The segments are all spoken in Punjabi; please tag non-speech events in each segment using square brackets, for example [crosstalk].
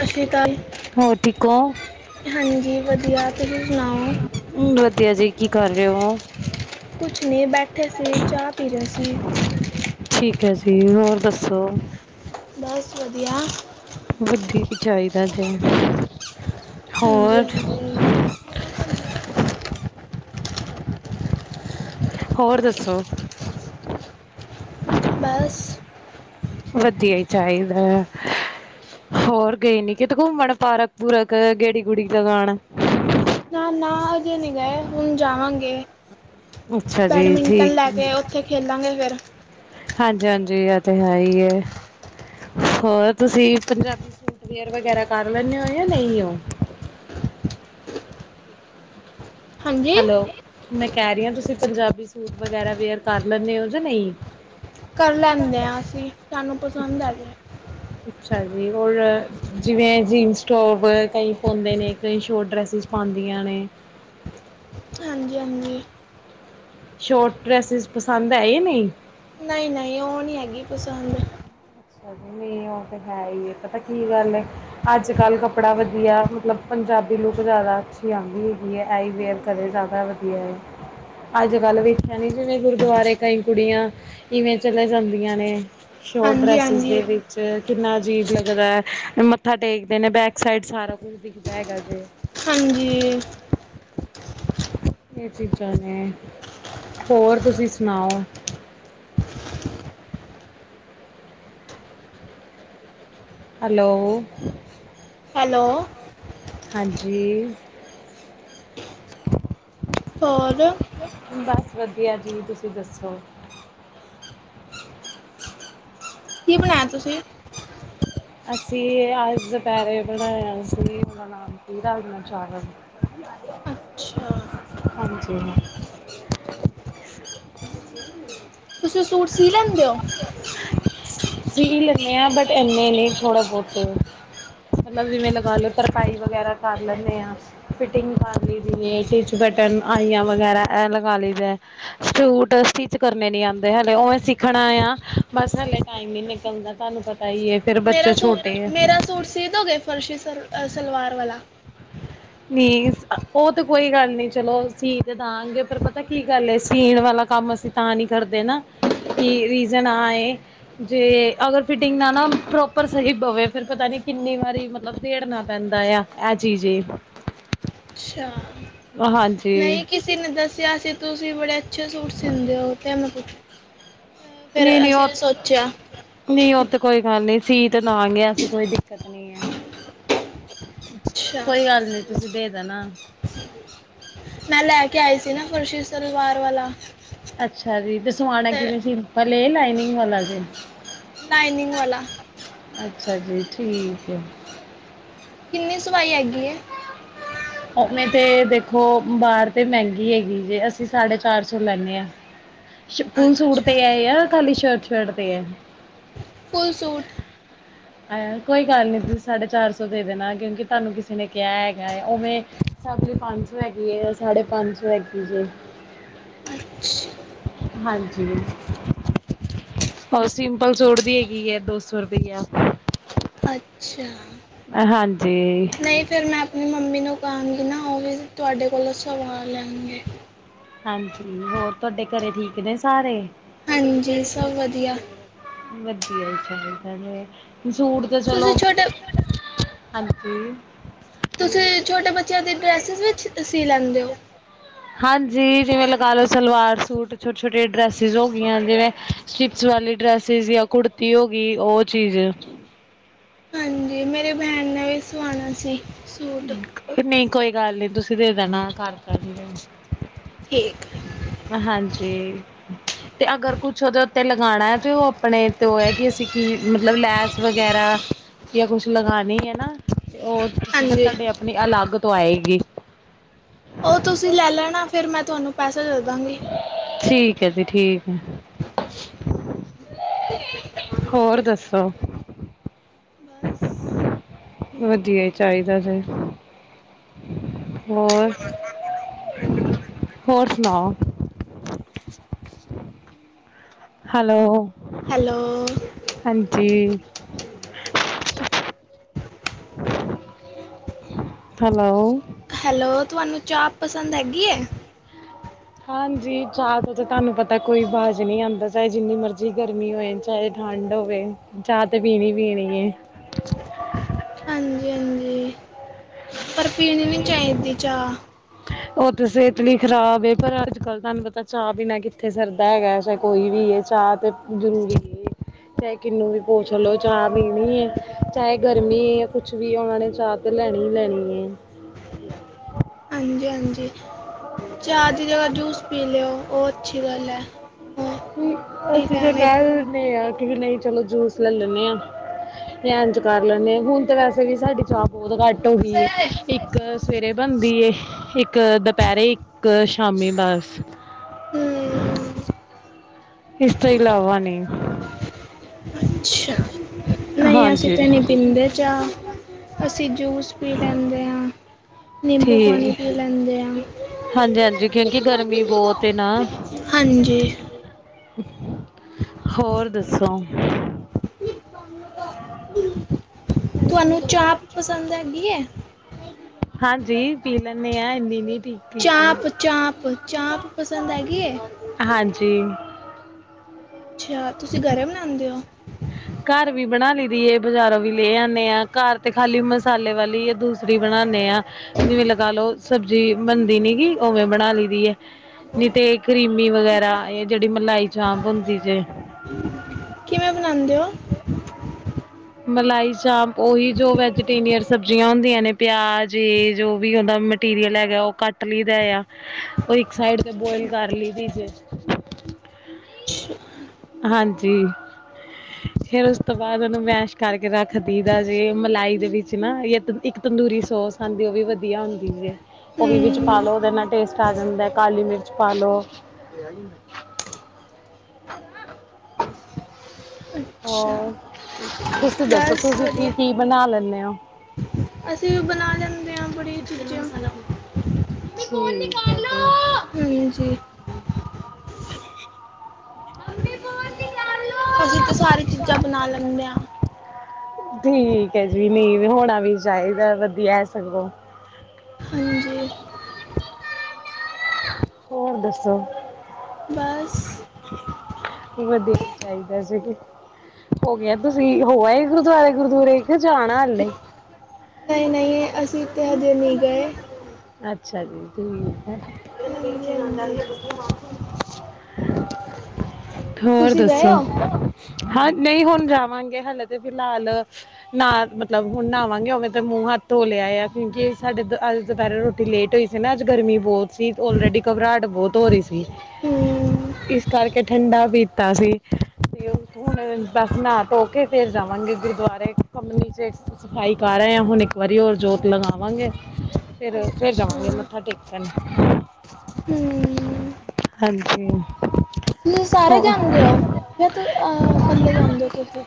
ਸਤਿ ਸ਼੍ਰੀ ਅਕਾਲ। ਹੋਰ ਠੀਕ ਹੋ ਹਾਂਜੀ, ਵਧੀਆ। ਤੁਸੀਂ ਸੁਣਾਓ? ਵਧੀਆ ਜੀ। ਕੀ, ਕਰ ਰਹੇ ਹੋ? ਕੁੱਛ ਨਹੀਂ ਬੈਠ ਠੇ ਸੀ, ਚਾਹ ਪੀ ਰਹੇ ਸੀ। ਠੀਕ ਹੈ ਜੀ। ਹੋਰ ਦੱਸੋ? ਬਸ ਵਧੀਆ। ਵਧੀਕ ਚਾਹੀਦਾ ਜੇ, ਹਾਂਜੀ ਹੋਰ ਹਾਂਜੀ ਹੋਰ ਦੱਸੋ? ਬਸ ਵਧੀਆ ਈ ਚਾਹੀਦਾ। ਹੋਰ ਗਏ ਨੀ ਕਿਤੇ ਘੁੰਮਣ, ਪਾਰਕ-ਪੂਰਕ, ਗੇੜੀ-ਗੁੜੀ ਲਗਾਣ। ਨਾ-ਨਾ, ਅਜੇ ਅੱਛਾ ਜੀ ਠੀਕ ਬੈਡਮੀਂਟਨ ਲੈਕੇ, ਉੱਥੇ ਖੇਲਾਂਗੇ ਫਿਰ। ਹਾਂਜੀ-ਹਾਂਜੀ, ਐ, ਤੇ ਹੈਈ ਏ। ਹੋਰ, ਤੁਸੀ ਪੰਜਾਬੀ ਸੂਟ ਵਿਅਰ ਵਗੈਰਾ ਕਰ ਲੈਂਦੇ ਹੋ ਯਾ ਨਹੀਓ? ਹਾਂਜੀ ਹੈਲੋ। ਮੈਂ ਕਹਿ ਰਹੀ ਹਾਂ, ਤੁਸੀ ਪੰਜਾਬੀ ਸੂਟ ਵਗੈਰਾ ਵੇਅਰ ਕਰ ਲੈਂਨੇ ਹੋ ਜਾ ਨਹੀ? ਕਰ ਲੈਂਨੇ ਹਾਂ ਅਸੀਂ, ਸਾਨੂੰ ਪਸੰਦ ਹੈਗੇ। ਅੱਛਾ ਜੀ, ਔਰ ਜਿਵੇਂ ਜੀਨਸ ਟੋਪ ਕਈ ਪਾਉਂਦੇ ਨੇ, ਕਈ ਸ਼ੋਰਟ ਡਰੈਸਿਸ ਪਾਂਦੀਆਂ ਨੇ। ਹਾਂਜੀ ਹਾਂਜੀ ਸ਼ੋਰਟ ਡਰੈਸਿਸ ਪਸੰਦ ਹੈ ਯਾ ਨਹੀਂ? ਨਹੀਂ-ਨਹੀਂ, ਉਹ ਨਹੀਂ ਹੈਗੀ ਪਸੰਦ। ਅੱਛਾ ਜੀ, ਨਹੀਂ ਉਹ ਤੇ ਹੈਹੀ ਏ, ਪਤਾ ਕੀ ਗੱਲ ਏ, ਅੱਜ-ਕੱਲ ਕੱਪੜਾ ਵਧੀਆ, ਮਤਲਬ ਪੰਜਾਬੀ ਲੁੱਕ ਜ਼ਿਆਦਾ ਅੱਛੀ ਆਂਦੀ ਹੈਗੀ ਏ, ਐਈ ਵਿਅਰ ਕਰੇ ਹਮ, ਜ਼ਿਆਦਾ ਵਧੀਆ ਏ। ਅੱਜ-ਕੱਲ ਵੇਖਿਆ ਨੀ ਜਿਵੇਂ, ਗੁਰਦੁਆਰੇ ਕਈ ਕੁੜੀਆਂ ਈਂਵੇਂ ਚਲੇ ਜਾਂਦੀਆਂ ਨੇ। ਸ਼ੋਟ ਹਾਂਜੀ ਡਰੈਸ ਹਾਂਜੀ ਵਿੱਚ ਕਿੰਨਾ ਅਜੀਬ ਲੱਗਦਾ, ਮੱਥਾ ਟੇਕਦੇ ਨੇ ਬੈਕ ਸਾਈਡ ਸਾਰਾ ਗੁਛ ਦਿਖਦਾ ਹੈਗਾ ਜੇ। ਹਾਂਜੀ ਇਹ ਚੀਜ਼ਾਂ ਨੇ। ਹੋਰ, ਤੁਸੀ ਸੁਣਾਓ? ਹੈਲੋ। ਹੈਲੋ। ਹਾਂਜੀ ਹੋਰ ਬਸ ਵਧੀਆ ਜੀ ਤੁਸੀਂ ਦੱਸੋ? ਕੀ ਬਣਾਇਆ ਤੁਸੀ? ਅਸੀਂ ਅੱਜ ਦੁਪਹਿਰੇ ਬਣਾਇਆ ਸੀ, ਉਹਦਾ ਨਾਮ ਸੀ ਰਾਜਨਾ ਚਾਵਲ। ਹ [inaudible] ਅੱਛਾ ਹਾਂਜੀ ਤੁਸੀ ਉਹ ਸੂਟ ਸੀ ਲੈਂਦੇ ਔ? ਸੀ ਲੈਂਨੇ ਆ ਬਟ ਇੰਨੇ ਨਹੀ ਥੋੜੇ ਬਹੁਤੇ। ਮਤਲਬ ਜਿਵੇਂ ਲਗਾ ਲੋ, ਤਰਪਾਈ ਵਗੈਰਾ ਕਰ ਲੈਂਨੇ ਆ। ਫਿਟਿੰਗ ਕਰ ਲਈ, ਜਿਵੇੰ ਟੀਚ ਬਟਨ, ਆਈਆਂ ਵਗੈਰਾ ਇਹ ਲਗਾ ਲਈ ਦਾ ਏ। ਸੂਟ ਸਟਿਚ ਕਰਨੇ ਨੀ ਆਉਂਦੇ ਹਾਲੇ ਓਵੇ ਸਿੱਖਣਾ ਆ ਬਸ ਹਲੇ ਟਾਈਮ ਨੀ ਨਿਕਲਦਾ ਤੁਹਾਨੂੰ ਪਤਾ ਈ ਏ, ਫੇਰ ਮੇਰਾ ਬੱਚੇ ਛੋਟੇ ਸੂਟ ਐ। ਮੇਰਾ ਸੂਟ ਸੀ ਦੋਗੇ ਫਰਸ਼ੀ ਸਲ ਸਲਵਾਰ ਵਾਲਾ। ਪਲੀਸੁ, ਉਹ ਤੇ ਕੋਈ ਗੱਲ ਨੀ ਚਲੋ ਸੀ ਤੇ ਦਾਂਗੇ, ਪਰ ਪਤਾ ਕੀ ਗੱਲ ਏ, ਸੀਣ ਵਾਲਾ ਕੰਮ ਅਸੀ ਨਾ ਨੀ ਕਰਦੇ ਨਾ, ਕਿ ਰੀਜ਼ਨ ਆ ਇਹ ਜੇ ਅਗਰ ਫਿਟਿੰਗ ਨਾ ਨਾ ਪ੍ਰੋਪਰ ਸਹੀ ਪਵੇ, ਫਿਰ ਪਤਾ ਨੀ ਕਿੰਨੀ ਵਾਰੀ ਮਤਲਬ ਉਧੇੜਨਾ ਪੈਂਦਾ ਆ। ਇਹ ਚੀਜ਼ ਏ ਅੱਛਾ ਹਾਂਜੀ ਕਿਸੀ ਨੇ ਦੱਸਿਆ ਸੀ, ਤੁਸੀਂ ਬੜੇ ਅੱਛੇ ਸੂਟ ਸੀਨਦੇ ਹੋ, ਤੇ ਮੈਂ ਪੁੱਛ ਫਿਰ ਨਹੀ ਨਹੀ ਅਸੀਂ ਔ ਨੇ ਸੋਚਿਆ ਨੀਂ ਉਹ ਤੇ ਕੋਈ ਗੱਲ ਨੀ, ਸੀੜ ਤੇ ਮਾਰਨੀ ਐ, ਐਸੀ ਕੋਈ ਦਿੱਕਤ ਨੀ ਆ। ਅੱਛਾ ਕੋਈ ਗੱਲ ਨੀ, ਤੁਸੀ ਦੇ ਦੇਣਾ। ਮੈਂ ਲੈ ਕੇ ਆਈ ਸੀ ਨਾ, ਫਰਸ਼ੀ ਸਲਵਾਰ ਵਾਲਾ, ਤੇ ਪਲ਼ੇਨ, ਲਾਈਨਿੰਗ ਵਾਲਾ ਜੇ। ਲਾਈਨਿੰਗ ਵਾਲਾ ਅੱਛਾ ਜੀ, ਠੀਕ ਐ ਕਿੰਨੀ ਸਵਾਈ ਹੈਗੀ ਹੈ? ਉਹਨੇ ਤੇ ਦੇਖੋ ਬਾਹਰ ਤੇ ਮਹਿੰਗੀ ਹੈਗੀ ਜੇ, ਅਸੀਂ ਸਾਢੇ ਚਾਰ ਸੌ ਲੈਂਨੇ ਆਂ। ਫੂਲ ਸੂਟ ਤੇ ਅੱਛਾ ਹੈ, ਜਾਂ ਖਾਲੀ ਸ਼ਰਟ-ਸ਼ਰਟ ਤੇ ਹੈ। ਫੁੱਲ ਸੂਟ ਕੋਈ ਗੱਲ ਨੀ ਤੁਸੀਂ ਸਾਢੇ ਚਾਰ ਸੌ ਦੇ ਦੇਣਾ, ਕਿਉਂਕਿ ਤੁਹਾਨੂੰ ਕਿਸੇ ਨੇ ਕਿਹਾ ਹੈਗਾ ਹੈ, ਉਵੇਂ, ਸਬਜ਼ੀ ਪੰਜ ਸੌ ਹੈਗੀ ਹੈ ਸਾਢੇ ਪੰਜ ਸੌ ਹੈਗੀ ਜੇ। ਅੱਛਾ। ਹਾਂਜੀ। ਉਹ ਸਿੰਪਲ ਸੂਟ ਦੀ ਹੈਗੀ ਹੈ ਦੋ ਸੌ ਰੁਪਇਆ। ਅੱਛਾ। ਹਾਂਜੀ। ਨਹੀਂ ਫਿਰ ਮੈਂ ਆਪਣੀ ਮੰਮੀ ਨੂੰ ਕਹਾਂਗੀ ਨਾ, ਉਹ ਵੀ ਤੁਹਾਡੇ ਕੋਲੋਂ ਸਵਾ ਲੈਣਗੇ। ਹਾਂਜੀ ਹੋਰ ਤੁਹਾਡੇ ਘਰੇ ਠੀਕ ਨੇ ਸਾਰੇ। ਹਾਂਜੀ, ਸਭ ਵਧੀਆ। ਵਧੀਆ ਈ ਚਾਹੀਦਾ ਵੇ, ਸੂਟ ਤੇ ਚਲੋ ਤੁਸੀਂ ਛੋਟੇ ਹਾਂਜੀ ਤੁਸੀਂ ਛੋਟੇ ਬੱਚਿਆਂ ਦੀ ਡਰੈਸਿਸ ਵਿੱਚ ਸੀ ਲੈਂਦੇ ਓ? ਹਾਂਜੀ, ਜਿਵੇਂ ਲਗਾ ਲੋ ਸਲਵਾਰ ਸੂਟ, ਛੋਟੇ ਛੋਟੇ ਡਰੈਸਿਸ ਹੋ ਗਈਆਂ ਜਿਵੇਂ ਸਟਿਪਸ ਵਾਲੀ ਡਰੈਸਿਸ ਜਾਂ ਕੁੜਤੀ ਹੋ ਗਈ, ਉਹ ਚੀਜ਼ ਹਾਂਜੀ, ਮੇਰੀ ਭੈਣ ਨੇ ਵੀ ਸਵਾਣਾ ਸੀ। ਸੂਟ ਨਹੀਂ ਕੋਈ ਗੱਲ ਨੀ ਤੁਸੀਂ ਦੇ ਦੇਣਾ ਘਰ ਕਰ ਰਹੀ ਇੰਜ। ਠੀਕ ਹਾਂਜੀ ਤੇ ਅਗਰ ਕੁਛ ਉਹਦੇ ਉੱਤੇ ਲਗਾਉਣਾ ਹੈ ਤੇ ਉਹ ਆਪਣੇ ਤੇ ਉਹ ਹੈ ਕਿ ਅਸੀਂ ਕੀ ਮਤਲਬ ਲੈਸ ਵਗੈਰਾ ਜਾਂ ਕੁਛ ਲਗਾਉਣੀ ਹੈ ਨਾ ਤੇ ਉਹ ਫਿਰ ਹਾਂਜੀ ਤੁਹਾਡੇ ਆਪਣੀ ਅਲੱਗ ਤੋਂ ਆਏਗੀ। ਉਹ ਤੁਸੀਂ ਲੈ ਲੈਣਾ ਫਿਰ ਮੈਂ ਤੁਹਾਨੂੰ ਪੈਸੇ ਦੇ ਦਾਂਗੀ। ਠੀਕ ਹੈ ਜੀ ਠੀਕ ਹੈ। ਹੋਰ ਦੱਸੋ। ਬਸ ਵਧੀਆ ਹੀ ਚਾਹੀਦਾ। ਹੋਰ, ਹੋਰ ਸੁਣਾਓ। ਹੈਲੋ। ਹੈਲੋ। ਹਾਂਜੀ। ਹੈਲੋ। ਹੈਲੋ ਤੁਹਾਨੂੰ ਚਾਹ ਪਸੰਦ ਹੈਗੀ ਹੈ। ਹਾਂਜੀ ਚਾਹ ਦਾ ਤਾਂ ਤੁਹਾਨੂੰ ਪਤਾ ਕੋਈ ਬਾਜ਼ ਨਹੀਂ ਆਦਾ ਚਾਹੇ ਜਿੰਨੀ ਮਰਜ਼ੀ ਗਰਮੀ ਹੋਏ। ਚਾਹੇ ਠੰਡ ਹੋਵੇ ਚਾਹ ਤੇ ਪੀਣੀ-ਪੀਣੀ ਏ। ਹਾਂਜੀ-ਹਾਂਜੀ। ਪਰ ਪੀਣੀ ਨੀ ਚਾਹੀਦੀ ਚਾਹ। ਉਹ ਤਾਂ ਸਿਹਤ ਲਈ ਖ਼ਰਾਬ ਏ ਪਰ ਅੱਜ ਕੱਲ ਤੁਹਾਨੂੰ ਪਤਾ ਚਾਹ ਪੀਨਾ ਕਿੱਥੇ ਸਰਦਾ ਹੈਗਾ ਚਾਹੇ ਕੋਈ ਵੀ ਹੈ ਚਾਹ ਜ਼ਰੂਰੀ ਏ। ਚਾਹੇ ਕਿੰਨੂੰ ਵੀ ਪੋਛ ਲਓ ਚਾਹ ਪੀਣੀ ਹੈ। ਚਾਹੇ ਗਰਮੀ ਜਾਂ ਕੁਛ ਵੀ ਉਹਨਾਂ ਨੇ ਚਾਹ ਤੇ ਲੈਣੀ ਹੀ ਲੈਣੀ ਹੈ। ਹਾਂਜੀ ਹਾਂਜੀ ਚਾਹ ਦੀ ਜਗ੍ਹਾ ਜੂਸ ਪੀ ਲਿਓ ਉਹ ਅੱਛੀ ਗੱਲ ਹੈ। ਹੋਰ ਕਿ ਠੀਕ ਅਸੀਂ ਹੈ ਤਾਂ ਨਹੀਂ ਕਹਿ ਦਿੰਦੇ ਆ ਕਿ ਵੀ ਨਹੀਂ ਚਲੋ ਜੂਸ ਲੈ ਲੈਦੇ ਹਾ। ਯਾ ਇੰਜ ਕਰ ਲੈੇ ਹੁਣ ਤਾਂ ਵੈਸੇ ਵੀ ਸਾਡੀ ਚਾਹ ਬਹੁਤ ਘੱਟ ਹੋਗੀ ਏ ਇੱਕ ਸਵੇਰੇ ਬਣਦੀ ਇੱਕ ਦੁਪਹਿਰੇ ਸ਼ਾਮੀ ਬਸ ਹੂੰ। ਇਸ ਤੋਂ ਇਲਾਵਾ ਨੀ ਅੱਛਾ ਨਹੀਂ ਅਸੀਂ ਹਾਂਜੀ ਤਾਂ ਨਹੀਂ ਪੀਂਦੇ ਚਾਹ ਅਸੀਂ ਜੂਸ ਪੀ ਲੈਂਦੇ ਹਾਂ। ਨਿੰਬੂ ਪਾਣੀ ਠੀਕ ਪੀ ਲੈਂਦੇ ਆ। ਹਾਂਜੀ ਹਾਂਜੀ ਕਿਉਂਕਿ ਗਰਮੀ ਬਹੁਤ ਏ ਨਾ ਹਾਂਜੀ। ਹੋਰ ਦੱਸੋ। ਤਾਂ ਤੁਹਾਨੂੰ ਚਾਹ ਪਸੰਦ ਹੈਗੀ ਹੈ? ਹਾਂਜੀ ਪੀ ਲੈਨੇ ਆ ਇੰਨੀ ਨੀ ਠੀਕ ਠੀਕ। ਚਾਹ ਪਸੰਦ ਹੈਗੀ ਏ? ਹਾਂਜੀ। ਅੱਛਾ, ਤੁਸੀਂ ਘਰੇ ਬਣਾਉਂਦੇ ਹੋ? ਘਰ ਵੀ ਬਣਾ ਲਈ ਦੀ ਹੈ ਬਜ਼ਾਰੋਂ ਵੀ ਲੈ ਆਣੇ ਹਾਂ ਘਰ ਤੇ ਖਾਲੀ ਮਸਾਲੇ ਵਾਲੀ ਆ ਦੂਸਰੀ ਬਣਾਣੇ ਹਾਂ। ਜਿਵੇਂ ਲਗਾ ਲੋੋ ਸਬਜ਼ੀ ਬਣਦੀ ਨੀ ਗ ਉਵੇਂ ਬਣਾ ਲਈ ਦੀ। ਨੀ ਤੇ ਕਰੀਮੀ ਵਗੈਰਾ ਇਹ ਜਿਹੜੀ ਮਲਾਈ ਚਾਂਪ ਹੁੰਦੀ ਜੇ ਕਿਵੇਂ ਬਣਾਉਂਦੇ ਹੋ। ਮਲਾਈ ਚਾਂਪ ਉਹੀ ਜੋ ਵੈਜੀਟੇਰੀਅਨ ਸਬਜ਼ੀਆਂ ਹੁੰਦੀਆਂ ਨੇ ਪਿਆਜ ਜੇ ਜੋ ਵੀ ਉਹਦਾ ਮਟੀਰੀਅਲ ਹੈਗਾ ਉਹ ਕੱਟ ਲਈਦਾ ਆ ਉਹ ਇੱਕ ਸਾਈਡ ਤੇ ਬੋਇਲ ਕਰ ਲਈਦੀ ਏ ਅੱਛਾ। ਹਾਂਜੀ। ਫਿਰ ਉਸ ਤੋਂ ਬਾਅਦ ਉਹਨੂੰ ਮੈਸ਼ ਕਰਕੇ ਰੱਖਦੀਦਾ ਜੇ ਮਲਾਈ ਦੇ ਵਿੱਚ ਨਾ ਜਾਂ ਤ ਇੱਕ ਤੰਦੂਰੀ ਸੋਸ ਖਾਂਦੀ ਉਹ ਵੀ ਵਧੀਆ ਹੁੰਦੀ ਜੇ। ਉਹ ਵੀ ਵਿੱਚ ਪਾ ਹੂੰ ਲਉ ਉਹਦੇ ਨਾਲ ਟੇਸਟ ਆ ਜਾਂਦਾ ਕਾਲੀ ਮਿਰਚ ਪਾ ਲੋ। ਚਾਹ? ਅੱਛਾ ਹ ਤੁਸੀਂ ਦੱਸੋ ਬਸ ਤੁਸੀਂ ਕੀ ਵਧੀਆ ਕੀ ਬਣਾ ਲੈਂਦੇ ਹੋ? ਅਸੀਂ ਬਣਾ ਲੈਂਦੇ ਹਾਂ ਬੜੀ ਚੀਜਾਂ। [unintelligible] ਹਾਂਜੀ। ਅਸੀਂ ਤੇ ਸਾਰੀ ਚੀਜ਼ਾਂ ਬਣਾ ਲੈਂਦੇ ਹਾਂ। ਠੀਕ ਹੈ ਜੀ, ਨਹੀਂ, ਹੋਣਾ ਵੀ ਚਾਹੀਦਾ ਵਧੀਆ ਸਗੋਂ। ਹਾਂਜੀ। ਹੋਰ ਦੱਸੋ? ਬਸ। ਵਧੀਆ ਹੀ ਚਾਹੀਦਾ ਸੀ। ਹੋ ਗਿਆ ਤੁਸੀਂ ਹੋ ਆਏ ਗੁਰਦੁਆਰੇ ਗੁਰਦੁਆਰੇ ਕੇ ਜਾਣਾ ਹਲੇ? ਨਹੀਂ, ਨਹੀਂ ਅਸੀਂ ਤੇ ਹਜੇ ਨਹੀਂ ਗਏ। ਅੱਛਾ ਜੀ ਠੀਕ ਏ। [unintelligible] ਹੋਰ ਤੁਸੀਂ ਗਏ ਦੱਸੋ? ਹੋ ਹਾਂ, ਨਹੀਂ ਹੁਣ ਜਾਵਾਂਗੇ, ਹਲੇੇ ਤੇ ਫਿਲਹਾਲ। ਨਾ ਮਤਲਬ ਹੁਣ ਨਹਾਵਾਂਗੇ ਉਵੇਂ ਤਾਂ ਮੂੰਹ ਹੱਥ ਧੋ ਲਿਆ ਆ ਕਿਉਂਕਿ ਸਾਡੇ ਅੱਜ। ਦੁਪਹਿਰੇ ਰੋਟੀ ਲੇਟ ਹੋਈ ਸੀ ਨਾ ਅੱਜ ਗਰਮੀ ਬਹੁਤ। ਸੀ ਅਲਰੇਡੀ ਘਬਰਾਹਟ ਬਹੁਤ ਹੋ ਰਹੀ ਸੀ ਹਮ ਇਸ ਕਰਕੇ ਠੰਡਾ ਵੀ। ਪੀਤਾ ਸੀ। ਹੁਣ ਬਸ ਨਹਾ ਧੋ ਕੇ ਫੇਰ ਜਾਵਾਂਗੇ ਗੁਰਦੁਆਰੇ ਕੰਮ ਨੀਚੇ ਸਫ਼ਾਈ ਕਰ ਆਏ ਹਾਂ ਹੁਣ। ਇਕ ਵਾਰੀ ਹੋਰ ਜੋਤ ਲਗਾਵਾਂਗੇ। ਫਿਰ ਫਿਰ ਅੱਛਾ ਜਾਵਾਂਗੇ ਮੱਥਾ ਟੇਕਣ। ਹਮ ਹਾਂਜੀ ਹੋਰ। ਫਿਰ ਤੁ ਇਕੱਲੇ ਜਾਂਦੇ ਹੋ ਤੁਸੀਂ।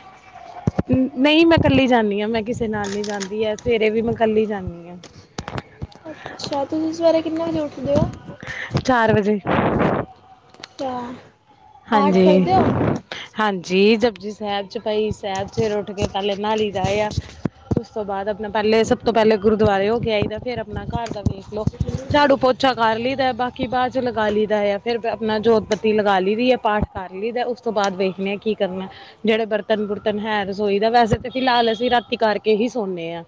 ਨਹੀਂ ਮੈਂ ਕੱਲੀ ਜਾਂਦੀ ਹਾਂ ਮੈਂ ਕਿਸੇ ਨਾਲ ਨਹੀਂ ਜਾਂਦੀ ਹੈ ਸਵੇਰੇ ਵੀ ਮੈਂ ਕੱਲੀ ਜਾਂਦੀ ਹਾਂ। ਹਠ ਅੱਛਾ, ਤੁਸੀਂ ਸਵੇਰੇ ਕਿੰਨੇ ਵਜੇ ਉੱਠਦੇ ਹੋ? ਚਾਰ ਵਜੇ। ਅੱਛਾ ਪਾਠ ਹਾਂਜੀ, ਕਰਦੇ ਹੋ ਹਾਂਜੀ ਜਪੁਜੀ ਸਾਹਿਬ, ਚੁਪਈ ਸਾਹਿਬ ਫਿਰ ਉੱਠ ਕੇ ਪਹਿਲੇ। ਨਾਲ ਹੀ ਜਾ ਆਇਆ। ਉਸ ਤੋਂ ਬਾਅਦ ਆਪਣਾ ਪਹਿਲੇ ਸਭ ਤੋਂ ਪਹਿਲੇ ਗੁਰਦੁਆਰੇ ਹੋ ਕੇ ਆਈਦਾ ਫਿਰ ਆਪਣਾ ਘਰ ਦਾ ਵੇਖ ਝਾੜੂ ਪੋਚਾ ਕਰ ਲਈ ਦਾ ਬਾਕੀ ਬਾਅਦ ਚ ਲਗਾ ਲਈ ਦਾ ਹੈ ਫਿਰ ਆਪਣਾ ਜੋਤ ਬੱਤੀ ਲੱਗਾ ਲਈ ਦੀ ਹੈ ਪਾਠ ਕਰ ਲਈਦਾ ਉਸ ਤੋਂ ਬਾਅਦ ਵੇਖਦੇ ਹ ਕੀ ਕਰਨਾ ਜਿਹੜੇ ਬਰਤਨ ਬੁਰਤਨ ਹੈ, ਰਸੋਈ ਦਾ ਵੈਸੇ ਤਾਂ ਫਿਲਹਾਲ ਅਸੀਂ ਰਾਤੀ ਕਰਕੇ ਹੀ ਸੋਨੇ ਹਾਂ।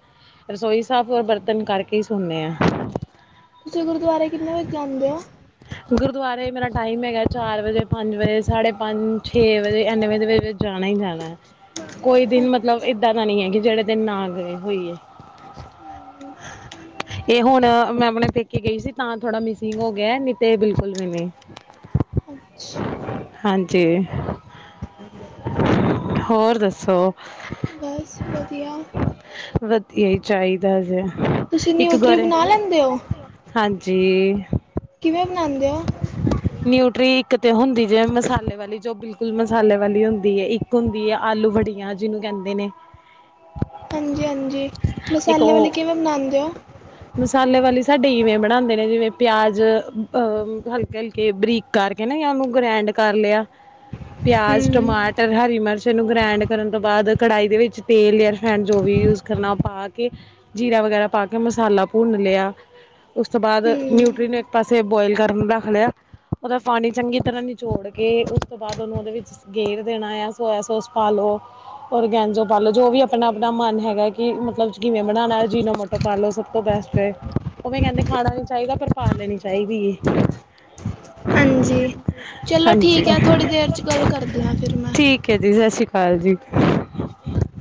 ਰਸੋਈ ਸਾਫ਼ ਹੋਰ ਬਰਤਨ ਕਰਕੇ ਹੀ ਸੋਂਦੇ ਆ ਤੁਸੀਂ ਗੁਰਦੁਆਰੇ ਕਿੰਨੇ ਵਜੇ ਜਾਂਦੇ ਹੋ? ਗੁਰਦੁਆਰੇ ਮੇਰਾ ਟਾਈਮ ਹੈਗਾ ਚਾਰ ਵਜੇ, ਪੰਜ ਵਜੇ, ਸਾਢੇ ਪੰਜ, ਛੇ ਵਜੇ ਐਨੇ ਵਜੇ। ਜਾਣਾ ਹੀ ਜਾਣਾ। ਕੋਈ ਦਿਨ ਮਤਲਬ ਅੱਛਾ ਏਦਾਂ ਦਾ ਨਹੀਂ ਹੈ ਕਿ ਜਿਹੜੇ ਦਿਨ ਨਾ ਗਏ ਹੋਈਏ। ਹਮ ਇਹ ਹੁਣ ਮੈਂ ਆਪਣੇ ਪੇਕੇ ਗਈ ਸੀ। ਤਾਂ ਥੋੜਾ ਮਿਸਿੰਗ ਹੋ ਗਿਆ ਨੀ ਤੇ ਬਿਲਕੁਲ ਵੀ ਨਹੀਂ। ਅੱਛਾ ਹਾਂਜੀ। ਹੋਰ ਦੱਸੋ? ਬੱਸ ਵਧੀਆ। ਵਧੀਆ ਹੀ ਚਾਹੀਦਾ ਜੇ ਤੁਸੀਂ ਇੱਕ ਨਿਊਟਰੀ ਘਰੇ। ਬਣਾ ਲੈਂਦੇ ਹੋ ਹਾਂਜੀ। ਕਿਵੇਂ ਬਣਾਉਂਦੇ ਹੋ, ਨਿਊਟਰੀ ਇੱਕ ਤੇ ਹੁੰਦੀ ਜੀਵੇ ਮਸਾਲੇ ਵਾਲੀ ਜੋ ਬਿਲਕੁੱਲ ਮਸਾਲੇ ਵਾਲੀ ਹੁੰਦੀ ਹੈ ਇੱਕ ਹੁੰਦੀ ਹੈ ਆਲੂ ਬੜੀਆਂ ਜਿਹਨੂੰ ਕਹਿੰਦੇ ਨੇ ਹਾਂਜੀ ਹਾਂਜੀ ਇੱਕ ਮਸਾਲੇ ਵਾਲੇ ਉਹ ਕਿਵੇਂ ਬਣਾਉਂਦੇ ਹੋ ਮਸਾਲੇ ਵਾਲੀ ਸਾਡੇ ਇਵੇਂ ਬਣਾਉਂਦੇ ਨੇ ਜਿਵੇਂ ਪਿਆਜ ਅਹ ਹਲਕੇ-ਹਲਕੇ ਕੇ ਬਰੀਕ ਕਰਕੇ ਨਾ ਓਨੂੰ ਗ੍ਰੈਂਡ ਕਰ ਲਿਆ ਪਿਆਜ, ਹੂੰ, ਟਮਾਟਰ, ਹਰੀ ਮਿਰਚ ਇਹਨੂੰ ਗ੍ਰੈਂਡ ਕਰਨ ਤੋਂ ਬਾਅਦ ਕੱੜਾਹੀ ਦੇ ਵਿੱਚ ਤੇਲ ਜਾਂ ਰਿਫੈਡ ਜੋ ਵੀ ਯੂਜ਼ ਕਰਨਾ ਉਹ ਪਾ ਕੇ ਜੀਰਾ ਵਗੈਰਾ ਪਾ ਕੇ ਮਸਾਲਾ ਭੁੰਨ ਲਿਆ ਉਸ ਤੋਂ ਬਾਅਦ ਨਿਊਟਰੀ ਨੂੰ ਇੱਕ ਪਾਸੇ ਬੋਆਇਲ ਕਰਨ ਰੱਖ ਲਿਆ, ਉਹਦਾ ਪਾਣੀ ਚੰਗੀ ਤਰ੍ਹਾਂ ਨਿਚੋੜ ਕੇ ਉਸ ਤੋਂ ਬਾਅਦ ਉਹਨੂੰ ਉਹਦੇ ਵਿੱਚ ਗੇਰ ਦੇਣਾ ਆ ਸੋਇਆ ਸੋਸ ਪਾਲੋ ਔਰਗੈਂਜੋ ਪਾਲੋ ਜੋ ਵੀ ਆਪਣਾ ਆਪਣਾ ਮਨ ਹੈਗਾ ਕਿ ਮੱਤਲਬ ਕਿਵੇਂ ਬਣਾਉਣਾ ਅਜੀਨੋ ਮੋਟੋ ਪਾਲੋ ਸੱਬ ਸੱਬ ਤੋਂ ਬੈਸਟ ਉਹਵੇ ਕਹਿੰਦੇ ਖਾਣਾ ਨੀ ਚਾਹੀਦਾ ਪਰ ਪਾ ਲੈਣੀ ਚਾਹੀਦੀ ਹੈ। ਹਾਂਜੀ ਚਲੋ ਹਾਂਜੀ ਠੀਕ ਹੈ ਥੋੜ੍ਹੀ ਦੇਰ ਚ ਗੱਲ ਕਰਦੀ ਹਾਂ ਫਿਰ ਮੈਂ ਓਕੇ ਜੀ ਸਤਿ ਸ਼੍ਰੀ ਅਕਾਲ ਜੀ [inaudible]